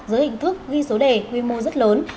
dưới hình thức ghi số đề quy mô rất lớn